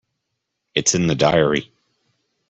It's in the diary.